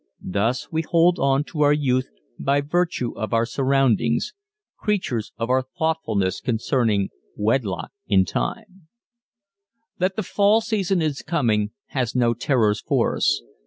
Thus we hold on to our youth by virtue of our surroundings creatures of our thoughtfulness concerning "wedlock in time." That the fall season is coming has no terrors for us.